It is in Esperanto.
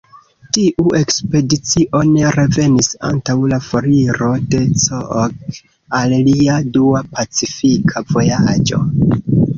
Tiu ekspedicio ne revenis antaŭ la foriro de Cook al lia dua Pacifika vojaĝo.